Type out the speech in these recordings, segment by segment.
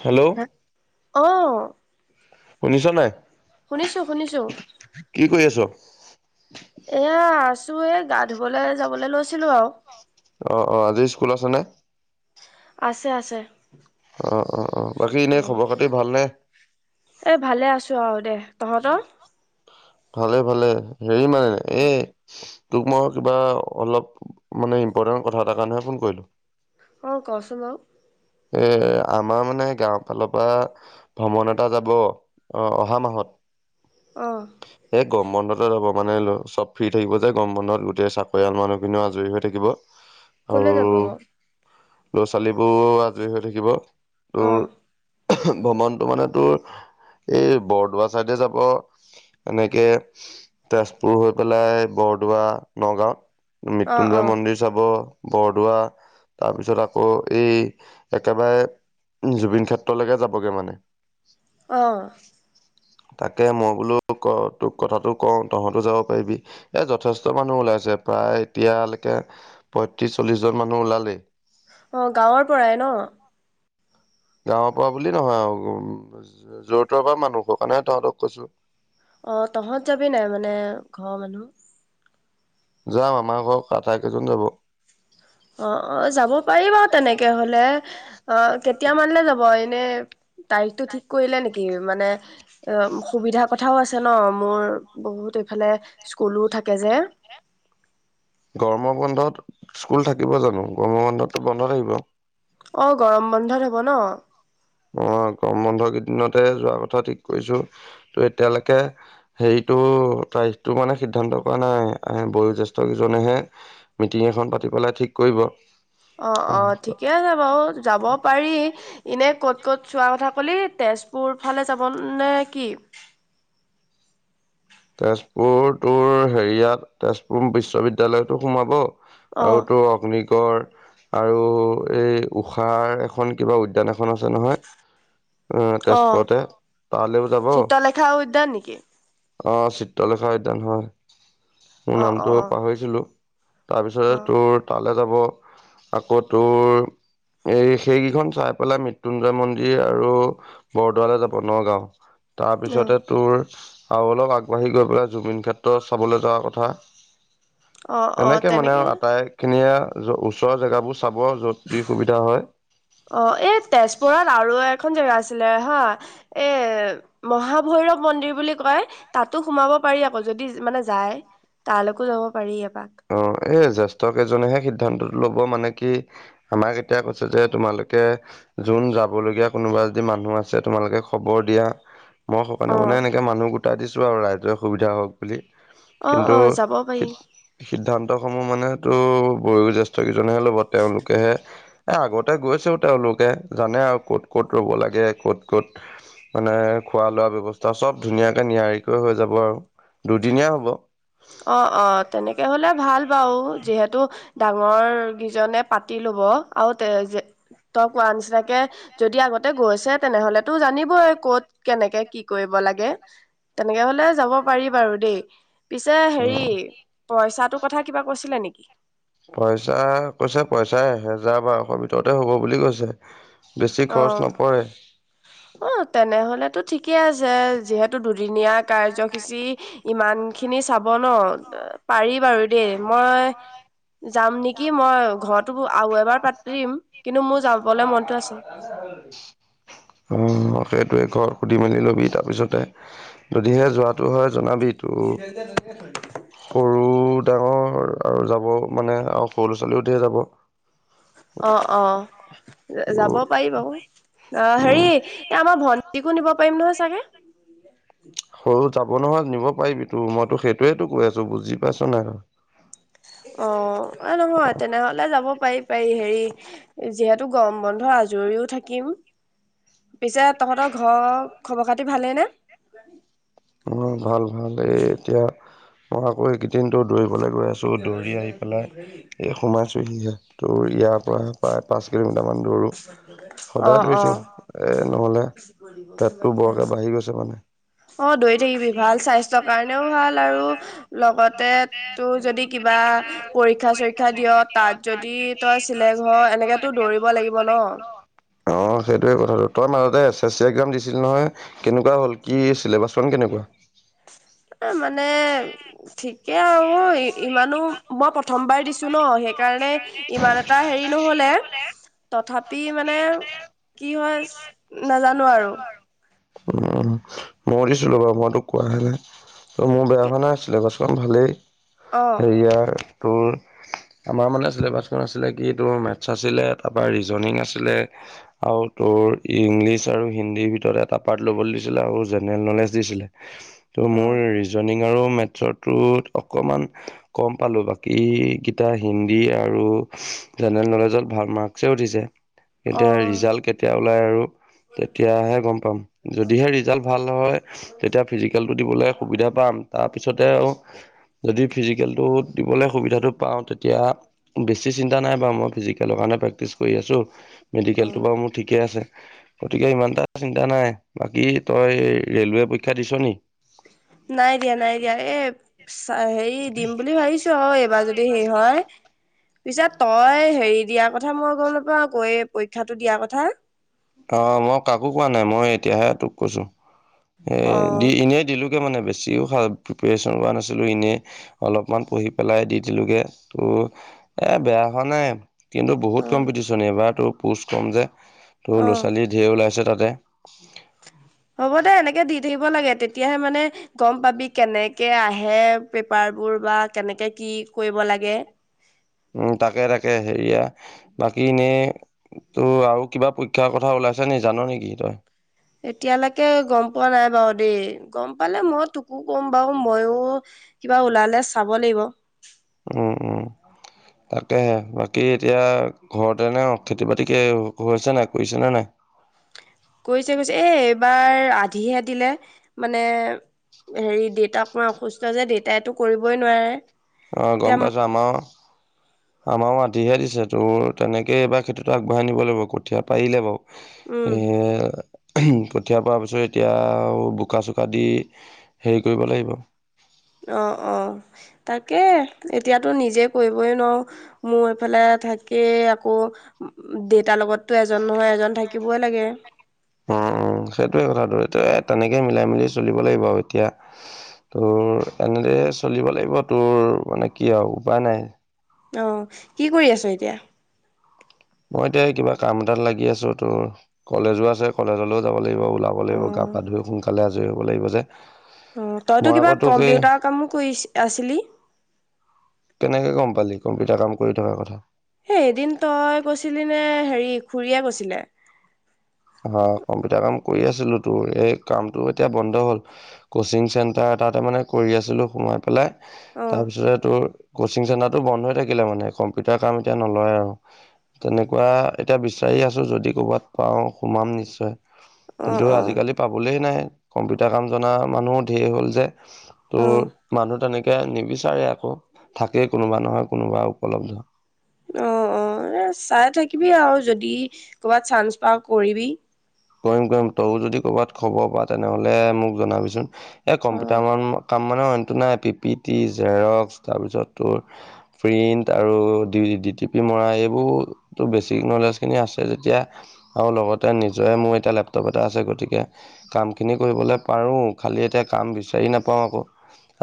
Hello hello অঁ। শুনিছ নাই? শুনিছো শুনিছো। কি কৰি আছ এয়া ছো এ গা ধুবলে যাবলৈ লৈছিলো আৰু। অ অ আজি স্কুল আছে নে? আছে আছে। অ অ অ বাকী এনেই অ', খবৰ খাতি ভাল নে? এ ভালে আছো আৰু দে। তহঁতৰ? ভালে ভালে হেৰি মানে ন অ', এই তোক মই কিবা অলপ মানে ইম্পৰ্টেণ্ট কথা এটাৰ কাৰণেহে ফোন কৰিলোঁ অ ক চোন বাও এ আমাৰ মানে গাঁও ফালৰ পৰা ভ্ৰমণ এটা যাব অ অহা মাহত অঁ এই গৰম বন্ধতে যাব মানে চব ফ্ৰী থাকিব যে গম বন্ধত গোটেই চাকৰিয়াল মানুহখিনিও আজৰি হৈ থাকিব আৰু কলে যাব বাৰ ল'ৰা ছোৱালীবোৰ আজৰি হৈ থাকিব তোৰ ভ্ৰমণটো মানে তোৰ এই বৰদোৱা চাইডে যাব। এনেকে তেজপুৰ হৈ পেলাই বৰদোৱা নগাঁৱত অ', মৃত্যুঞ্জয় অ'। মন্দিৰ চাব বৰদোৱা তাৰ পিছত আকৌ এই একেবাৰে জুবিন ক্ষেত্ৰলৈকে যাবগে মানে। অঁ তাকে মই বোলো ক তোক কথা টো কওঁ তহঁতো যাব পাৰিবি এ যথেষ্ট মানুহ ওলাই প্ৰায় এতিয়ালৈকে পয়ত্ৰিশ চল্লিশ জন মানুহ ওলালেই। অ', গাঁৱৰ পৰাই ন? গাঁৱৰ পৰা বুলি নহয় আৰু উ যোৰ তৰ পৰা মানুহৰ কাৰণেহে তহঁতক কৈছো অ তহঁত যাবি নাই মানে ঘৰৰ মানুহ যাম আমাৰ ঘৰত আটাই কেইজন যাব। অ অ যাব পাৰিব তেনেকে হলে অ কেতিয়া মানলে যাব এনে তাৰিখটো ঠিক কৰিলে নেকি মানে অ সুবিধা কথাও আছে ন মোৰ বহুত সেফালে স্কুলো থাকে যে। গৰম বন্ধত স্কুল থাকিব জানো গৰম বন্ধতো বন্ধ থাকিব। অ গৰম বন্ধত হব ন। অ গৰম বন্ধ কেইদিনতে যোৱা কথা ঠিক কৰিছো ত এতিয়ালৈকে হেৰি টো তাৰিখটো মানে সিদ্ধান্ত কৰা নাই আহ বয়ো জ্যেষ্ঠ কেইজনেহে মিটিং এখন পাতি পেলাই ঠিক কৰিব। অ অ ঠিকে আছে বাৰু যাব পাৰি এনে কত 'ত যোৱা কথা ক'লি তেজপুৰ ফালে যাব নে কি তেজপুৰ তোৰ হেৰিয়াত তেজপুৰ বিশ্ববিদ্যয়ালয়তো সোমাব অ আৰু তো অগ্নিগড় আৰু এই উষাৰ এখন কিবা উদ্যান এখন এখন আছে নহয় আহ অ তেজপুৰতে তালৈও যাব চিত্ৰলেখা উদ্যান নেকি অ চিত্ৰলেখা উদ্যান হয় মোৰ অ অ নামটো পাহৰিছিলো তাৰপিছতে অ তোৰ তালৈ যাব আকৌ তোৰ এই সেইকেইখন চাই পেলাই মৃত্যুঞ্জয় মন্দিৰ আৰু বৰদোৱালৈ যাব নগাঁও। অ তাৰপিছতে তোৰ। চাউ অলক আগবাঢ়ি গৈ পেলাই জুমিন ক্ষেত্ৰত চাবলৈ যোৱাৰ কথা। অ অ এনেকে মানে তেনেকে আটাই খিনিয়ে ওচৰৰ জেগাবোৰ। চাব য'ত যি সুবিধা হয় অ এই তেজপুৰত আৰু এ। এখন জেগা আছিলে হা এ মহাভৈৰৱ মন্দিৰ বুলি কয় তাতো সোমাব। পাৰি আকৌ যদি মানে যায় তালৈকো যাব পাৰি আকৌ। অ এইজাছ যোৱা কেইজন হে সিধান্ত ল'ব মানে কি আমাক এতিয়া কৈছে কি তোমালোকে যোন যাম। যাব লগগীয়া কোনোবা যদি মানুহ আছে তোমালোকে খবৰ দিয়া। মই সকোৱে অ মানে এনেকে মানুহ গোটাই দিছোঁ আৰু ৰাইজে সুবিধা হওক বুলি। অ কিন্তু যাব শ। পাৰি সিদ্ধান্ত সমূহ মানে তো বয়ো জ্যেষ্ঠ কেইজনেহে ল'ব তেওঁলোকেহে এ আগতে গৈ। তেওঁলোকে জানে আৰু ক'ত ক'ত ৰ'ব লাগে ক'ত ক'ত মানে খোৱা লোৱা ব্যৱস্থা। ত চব ধুনীয়াকে নিয়াৰিকৈ হৈ যাব আৰু দুদিনীয়া হ'ব। অ অ তেনেকে হলে ভাল বাৰু যিহেতু ডাঙৰ গিজনে পাতিলো। হ'ব আৰু তে যে। তই কোৱা নিচিনাকে যদি আগতে গৈছে তেনেহলে তো জানিবই ক'ত কেনেকে কি কৰিব। লাগে তেনেকে হলে যাব পাৰি বাৰু দেই। পিছে হেৰি অ পইচাটোৰ কথা কিবা কৈছিলে নেকি! পইচা কৈছে পইচা এহেজাৰ বাৰশ ভিতৰতে হ'ব বুলি কৈছে। বেছি খৰচ অ', নপৰে। অ তেনেহলেতো ঠিকেই আছে যিহেতু দুদিনীয়া কাৰ্যসূচী। ইমান খিনি চাব ন পাৰি বাৰু দেই মই। যাম নেকি মই ঘৰতো আৰু এবাৰ পাতিম কিন্তু মোৰ যাবলে মনটো আছে। [unintelligible] অ সেইটোৱে ঘৰ সুধি মেলি ল'বি তাৰপিছতে যদিহে যোৱাটো হয় জনাবি। তো [unintelligible] সৰু ডাঙৰ আৰু যাব মানে আৰু সৰু ল'ৰা ছোৱালীও ধেৰ যাব। অ অঁহ যাব পাৰি বাৰু অ উম। হেৰি এ আমাৰ ভন্টিকো নিব পাৰিম নহয় চাগে। সৰু যাব নহয় নিব পাৰিবি তো মইতো সেইটোয়ো কৈ আছো বুজি পাইছ নাই। অ নহয় তেনেহলে যাব পাৰি পাৰি হেৰি। যিহেতু গম বন্ধ আজৰিও থাকিম। পিছে তহঁতৰ ঘৰৰ খবৰ খাতি ভালেই নে। অ ভাল ভাল এই এতিয়া মই আকৌ এইকেইদিনটো দৰি। গবলৈ গৈ আছোঁ দৌৰি আহি পেলাই এই সোমাইছোঁহিহে তো ইয়াত। প্ৰায় পাঁচ কিলোমিটাৰমান দৌৰোঁ। সদায় অ', দৌৰিছো অ'। এ নহলে পেটটো বৰকে বাঢ়ি গৈছে মানে। অঁ দৰি থাকিবি ভাল স্বাস্থ্যৰ কাৰণেও ভাল আৰু লগতে তোৰ যদি কিবা। পৰীক্ষা চৰীক্ষা দিয় তাত যদি তই চিলেক্ট হ এনেকেতো দৌৰিব লাগিব ন। অ সেইটোয়ে কথাটো। তই মাজতে এছ এছ চি এক্সাম দিছিল নহয় কেনেকুৱা হ'ল কি ছিলেবাছ খন কেনেকুৱা। এ মানে ঠিকে আৰু। অ ইমানো মই প্ৰথমবাৰ দিছো ন সেইকাৰণে ইমান এটা হেৰি নহলে। তথাপি মানে কি হয় নাজানো আৰু। উ ময়ো দিছিলো বাৰু মই তোক কোৱাহে নাই। ত' মোৰ বেয়া হোৱা নাই আছিলে গছখন ভালেই অ হেৰিয়াৰ তোৰ। আমাৰ মানে চিলেবাচখন আছিলে কি তোৰ মেথছ আছিলে তাৰপৰা ৰিজনিং আছিলে আৰু তোৰ। ইংলিছ আৰু হিন্দীৰ ভিতৰত এটা পাৰ্ট ল'বলৈ দিছিলে আৰু জেনেৰেল নলেজ দিছিলে। ত' অ মোৰ ৰিজনিং আৰু মেথছৰটোত অকণমান। গম পালো বাকী কেইটা হিন্দী আৰু জেনেৰেল নলেজত ভাল মাৰ্কছে। উঠিছে অ এতিয়া ৰিজাল্ট কেতিয়া ওলাই আৰু তেতিয়াহে গম পাম। যদিহে ৰিজাল্ট ভাল হয়, তেতিয়া ফিজিকেলটো দিবলে সুবিধা পাম তাৰপিছতে আৰু যদি ফিজিকেলেটো দিবলৈ সুবিধাটো পাওঁ তেতিয়া বেছি চিন্তা নাই বাৰু মই ফিজিকেলৰ কাৰণে প্ৰেক্টিচ। কৰি আছোঁ অ মেডিকেলটো বাৰু মোৰ ঠিকেই আছে। গতিকে ইমান এটা চিন্তা নাই বাকী তই ৰেলৱে পৰীক্ষা দিছ নি। নাই দিয়া নাই দিয়া এই হেৰি দিম বুলি ভাবিছো আৰু এইবাৰ যদি হেৰি হয়। পিছা তই হেৰি দিয়াৰ কথা মই গম নাপাও কৈ পৰীক্ষাটো দিয়াৰ কথা। অ মই কাকো কোৱা নাই মই এতিয়াহে তোক কৈছো এ দি অ', এনেই দিলো। মানে বেছিও প্ৰিপেৰেচন কৰা নাছিলোঁ এনেই অলপমান পঢ়ি পেলাই দি দিলোঁগৈ ত' এ বেয়া হোৱা নাই। কিন্তু বহুত অ', কম্পিটিশ্যন এইবাৰ তোৰ পুচ কম যে তোৰ ল'ৰা অ', ছোৱালী ঢেৰ ওলাইছে। তে হ'ব দে এনেকে দি থাকিব লাগে তেতিয়াহে মানে গম পাবি কেনেকে আহে পেপাৰ বোৰ। কৰবা কেনেকে কি কৰিব লাগে। উম তাকে তাকে হেৰিয়া বাকী এনেই তো আৰু কিবা পৰীক্ষাৰ কথা ওলাই। ত আছ নে জান নেকি তই? এতিয়ালৈকে গম পোৱা নাই বাৰু দেই। গম পালে মই তোকো গ'ম বাৰু মইয়ো কিবা ওলালে চাব লাগিব। উম উম। তাকেহে বাকী এতিয়া ঘৰতে নে খেতি বাতি কে হৈছে নাই কৰিছে নে নাই? [inaudible] হৈছে হৈছে এ এইবাৰ আধিহে দিলে মানে। হেৰি দেউতাক মই অসুস্থ যে দেউেতাইতো কৰিবই নোৱাৰে। অ এতিয়া গম পাইছো আমাৰও আমাৰও মাত দিহে দিছে তোৰ তেনেকৈ এইবাৰ খেতিটো আগবঢ়াই নিব লাগিব কঠীয়া পাৰিলে বাৰু এ উম কঠীয়া পৰা পিছত এতিয়া আও বোকা চোকা দি হেৰি কৰিব লাগিব অ অ তাকে এতিয়াতো নিজে কৰিবই নোৱাৰো মোৰ এইফালে। থাকে আকৌ দেউতাৰ লগতো এজন নহয় এজন থাকিবই লাগে। উম উম সেইটোৱে কথাটোৰ এইটো তেনেকে মিলাই মেলি চলিব লাগিব আৰু এতিয়া তোৰ এনেদ চলিব লাগিব তোৰ মানে কি আৰু উপায় নাই অহ কি কৰি আছ এতিয়া? মই এতিয়া কিবা কাম এটাত লাগি আছো তোৰ কলেজো আছে কলেজলৈও যাব লাগে। লাগিব ওলাব লাগিব গা অ', পা ধুই সোনকালে আজৰি হ'ব লাগিব যে অ তইতো মই কিবা আকৌ তোক এই কম্পিউটাৰ কামো কৰি আছিলি। কেনেকে গম পালি কম্পিউটাৰ কাম কৰি থকাৰ কথা। হে এদিন তই কৈছিলি নে হেৰি খুৰীয়ে কৈছিলে। অ কম্পিউটাৰ কাম কৰি আছিলো তো এই কামটো এতিয়া বন্ধ হ'ল কচিং চেণ্টাৰ তাতে মানে কৰি আছিলো সোমাই পেলাই অ', তাৰপিছতে তোৰ কচিং চেণ্টাৰটো বন্ধ হৈ থাকিলে মানে কম্পিউটাৰ কাম এতিয়া নলয় আৰু তেনেকুৱা এতিয়া বিচাৰি আছো যদি কৰ'বাত পাও সোমাম নিশ্চয় কিন্তু অ', অ', আজিকালি পাবলৈ নাই কম্পিউটাৰ কাম জনা মানুহো ধেৰ হ'ল যে তোৰ অ', মানুহ তেনেকে নিবিচাৰে আকৌ থাকেই কোনোবা নহয় কোনোবা উপলব্ধ। অ অ এ চাই থাকিবি আৰু যদি ক'ৰবাত চান্স পাওঁ কৰিবি। কৰিম কৰিম তই যদি কৰবাত খবৰ পাৱ তেনেহ'লে মোক জনাবিচোন। এ অ', কম্পিউটাৰ মান কাম মানে না ডি পি টি, জেৰক্স, তাৰপিছত তোৰ প্ৰিণ্ট আৰু ডি‌জি ডি টি পি। [unintelligible] জয়ে মোৰ এতিয়া লেপটপ এটা আছে গতিকে কামখিনি কৰিবলৈ পাৰোঁ খালি এতিয়া কাম বিচাৰি নাপাওঁ আকৌ।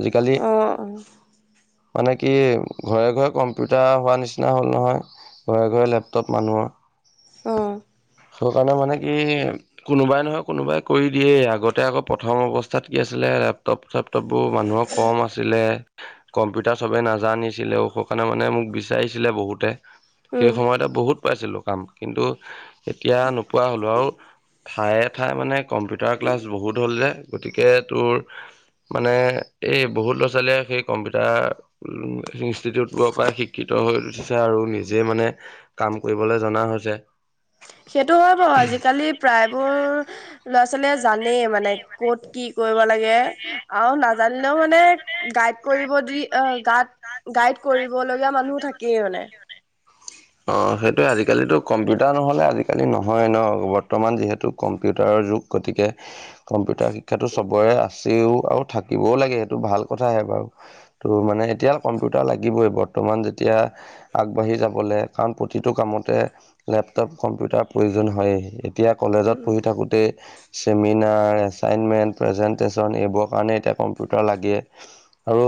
আজিকালি অ', মানে কি ঘৰে -ঘৰে কম্পিউটাৰ হোৱা নিচিনা হ'ল নহয় ঘৰে -ঘৰে লেপটপ মানুহৰ। অহ টো এইকাৰণে মানে এই কোনোবাই নহয় কোনোবাই কৰি দিয়ে আগতে আকৌ প্ৰথম অৱস্থাত কি আছিলে লেপটপ লেপটপবোৰ মানুহৰ কম আছিলে কম্পিউটাৰ চবেই নাজানিছিলে ঔস কাৰণে মানে মোক বিচাৰি ৰিছিলে বহুতে উম। সেইসময়ত আকৌ বহুত পাইছিলো কাম কিন্তু এতিয়া নোপোৱা হলোঁ। টো আও ঠায়ে- ঠায়ে মানে কম্পিউটাৰ ক্লাছ বহুত হ'ল যে গতিকে তোৰ মানে এই বহুত ল'ৰা -ছোৱালীয়ে সেই কম্পিউটাৰ ইনষ্টিটিউটবোৰৰ পৰাই শিক্ষিত হৈ আৰু নিজে মানে কাম কৰিবলৈ জনা হৈছে। [unintelligible] আজি কালি প্ৰায়বোৰ লৰা - ছোৱালীয়ে জানে মানে কত কি কৰিব লাগে আৰু নাজানিলেও মানে গাইড কৰিব যদি অহ গাত গাইড কৰিব লগীয়া মানুহ থাকেই মানে। অ সেইটোৱে আজিকালিতো কম্পিউটাৰ নহ'লে আজিকালি নহয় ন' বৰ্তমান যিহেতু কম্পিউটাৰৰ যুগ গতিকে কম্পিউ তাৰ শিক্ষাটো চবৰে আছে তেওঁ আৰু থাকিবও লাগে সেইটো ভাল কথাহে বাৰু ত' মানে এতিয়া কম্পিউটাৰ লাগিবই বৰ্তমান। ইমান যেতিয়া আগবাঢ়ি যাবলে কাৰণ প্ৰতিটো কামতে লেপটপ কম্পিউটাৰ প্ৰয়োজন হইয়ে। তেতিয়া কলেজত উম পঢ়ি থাকোঁতে চেমিনাৰ এছাইনমেণ্ট প্ৰেজেণ্টেশ্যন এইবোৰৰ কাৰণে এতিয়া কম্পিউটাৰ লাগে। আৰু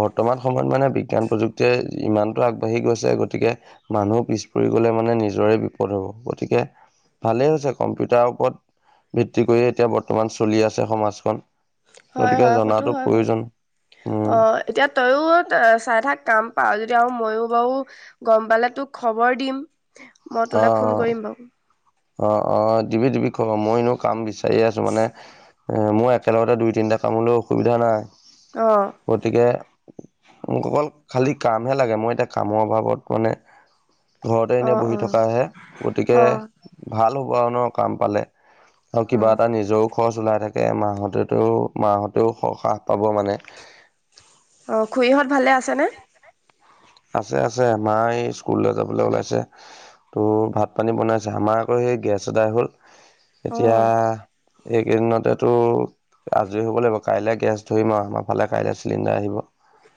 বৰ্তমান সময়ত মানে বিজ্ঞান প্ৰযুক্তিয়ে ইমানটো আগবাঢ়ি গৈছে গতিকে মানুহ পিছ পৰি গ'লে মানে নিজৰে বিপদ হ'ব গতিকে ভালেই হৈছে কম্পিউটাৰৰ ওপৰত ভিত্তি কৰিয়ে এতিয়া বৰ্তমান চলি আছে সমাজখন। হয় গতিকে -হয় সেইটো জনাটো হয় বাৰু। প্ৰয়োজন উম অহ এতিয়া তইও চাই থাক কাম। পাৰা যদি আৰু মইও বাৰু গম পালে তোক খবৰ দিম মই তোলৈ ফোন কৰিম বাৰু। অহ -অহ দিবি -দিবি খবৰ, মই এনেও কাম বিচাৰিয়ে আছো মানে এ মোৰ একেলগতে দুই, তিনিটা কাম হলেও অসুবিধা নাই অ গতিকে মোক অকল খালি কামহে লাগে, মই এতিয়া কামৰ অভাৱত মানে ঘৰতে অ এনেই বহি অ থকাহে, গতিকে অ ভাল হব আৰু ন ' কাম পালে আৰু অ কিবা এটা নিজেও খৰচ ওলাই থাকে, মাহতেটো মাহতেও হ্ৰাস পাব মানে। অহ, খুৰিহঁত ভালে আছেনে? আছে -আছে। মায় স্কুললৈ যাবলৈ ওলাইছে ত' ভাত -পানী বনাইছে আমাৰ আকৌ হেই গেছ আদাই হ'ল এতিয়া অ এইকেইদিনতেতো আজৰি হব লাগিব, কাইলে গেছ ধৰিম আৰু আমাৰ ফালে কাইলে চিলিণ্ডাৰ আহিব।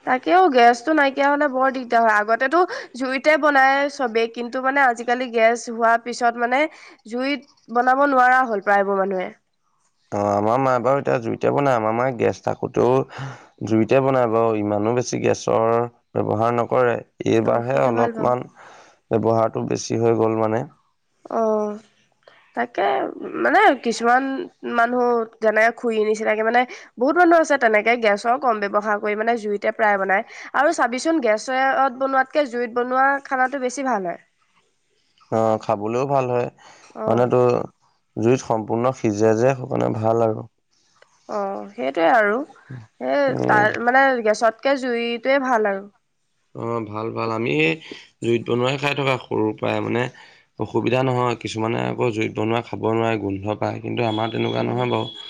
তাকেও গেছটো নাইকিয়া হলে বৰ দিগ তে হয় আগতেতো জুইতে বনাই চবে কিন্তু, মানে আজিকালি গেছ হোৱাৰ পিছত মানে জুইত বনাব নোৱাৰা হ'ল প্ৰায়বোৰ মানুহে। অহ, আমাৰ মায় বাৰু এতিয়া জুইতে বনাই, আমাৰ মায় গেছ থাকোতেও জুইতে বনাই বাৰু ইমান ইমান বেছি গেছৰ ব্যৱহাৰ নকৰে। অ এইবাৰহে সেইটো ভাল বাৰু। অলপমান ব্যৱহাৰটো বেছি হৈ গ'ল মানে। অহ তাকে মানে কিছুমান মানুহ যেনেকে খুৰিৰ নিছিনাকে মানে বহুত মান [unintelligible] গেছৰ কম ব্যৱহাৰ কৰি মানে জুইতে প্ৰাই বনাই আৰু চাবিচোন গেছত বনোৱা তাতকে জুইত বনোৱা খানাটো বেছি ভাল হয়। অহ, খাবলৈও ভাল হয়, অ' মানে তো জুইত সম্পূৰ্ণ সিজে যে সো কাৰনে ভাল আৰু। অ সেইটোৱে আৰু এ উম তাত মানে গেছতকে জুইত টোয়ে ভাল আৰু। অহ ভাল ভাল আমি জুইত বনোৱাই খাই থকা সৰুৰ পৰাই মানে অসুবিধা নহয়। কিছুমানে আকৌ জুইত বনোৱা খাব নোৱাৰে গোন্ধ পায়। কিন্তু আমাৰ তেনেকুৱা অ' নহয় বাৰু।